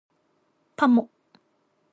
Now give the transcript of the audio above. パモ